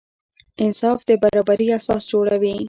انصاف د برابري اساس جوړوي.